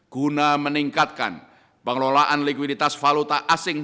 guna meningkatkan pengelolaan likuiditas valuta asing